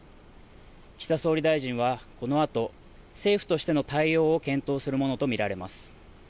岸田総理大臣はこのあと政府としての対応を検討するものと見られます。